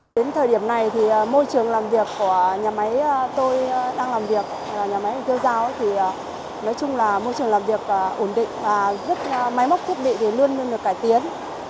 đến thời điểm này thì môi trường làm việc của nhà máy tôi đang làm việc nhà máy cư giao thì nói chung là môi trường làm việc ổn định và máy móc thiết bị thì luôn luôn được cải tiến